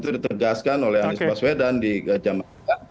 dia yang tetap dikira sama